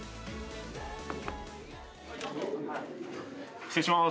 失礼します。